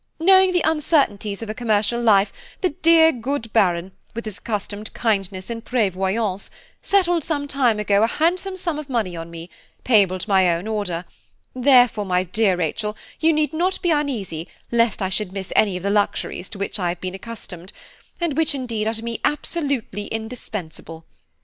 Knowing the uncertainties of a commercial life, the dear good Baron, with his accustomed kindness and prévoyance, settled, some time ago, a handsome sum of money on me, payable to my own order, therefore, my dear Rachel, you need not be uneasy lest I should miss any of the luxuries to which I have been accustomed, and which, indeed, are to me absolutely indispensable.